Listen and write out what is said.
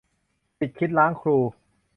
ศิษย์คิดล้างครู